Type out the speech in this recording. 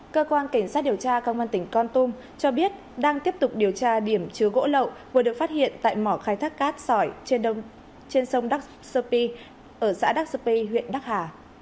cơ quan cảnh sát điều tra công an tỉnh con tum cho biết đang tiếp tục điều tra điểm chứa gỗ lậu vừa được phát hiện tại mỏ khai thác cát sỏi trên sông pi ở xã đắc sơ pi huyện đắc hà